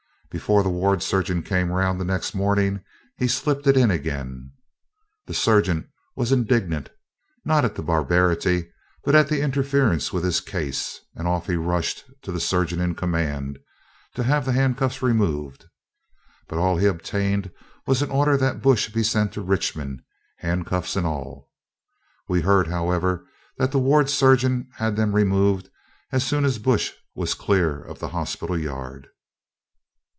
Before the ward surgeon came round the next morning, he slipped it in again. The surgeon was indignant, not at the barbarity, but at the interference with his case, and off he rushed to the surgeon in command, to have the handcuffs removed. But all he obtained was an order that Bush be sent to Richmond, handcuffs and all. We heard, however, that the ward surgeon had them removed as soon as Bush was clear of the hospital yard.